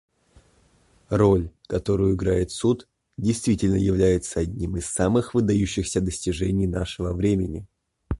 Роль, которую играет Суд, действительно является одним из самых выдающихся достижений нашего времени.